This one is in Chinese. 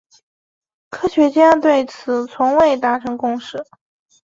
科学家对此从未达成共识。